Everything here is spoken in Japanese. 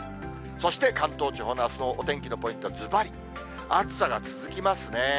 そして、関東地方のあすのお天気のポイント、ずばり、暑さが続きますね。